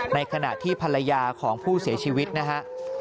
ในขณะที่ภรรยาของผู้เสียชีวิตนะฮะ